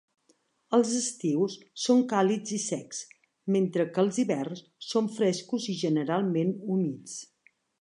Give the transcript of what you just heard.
Els estius són càlids i secs, mentre que els hiverns són frescos i generalment humits.